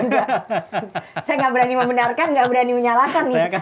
saya nggak berani membenarkan nggak berani menyalahkan nih